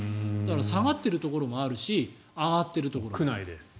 下がっているところもあるし上がっているところもある。